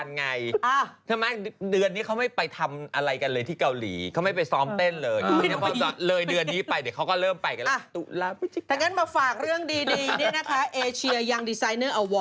เนี่ยกัญญานี้นะนี่ตุลานี่ลูกค้าก็นัดไปกันหมดแล้ว